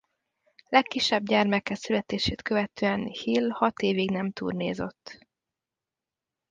Legkisebb gyermeke születését követően Hill hat évig nem turnézott.